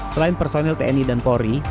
selain personil tni dan polri